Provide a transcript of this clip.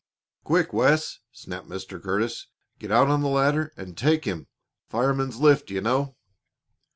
"Quick, Wes!" snapped Mr. Curtis. "Get out on the ladder and take him. Fireman's lift, you know."